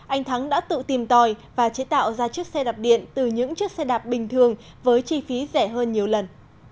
anh thắng đã tự tìm tòi và chế tạo ra chiếc xe đạp điện từ những chiếc xe đạp bình thường với chi phí rẻ hơn nhiều lần